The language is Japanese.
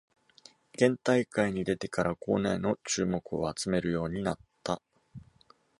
県大会に出てから校内の注目を集めるようになった